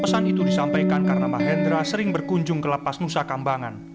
pesan itu disampaikan karena mahendra sering berkunjung ke lapas nusa kambangan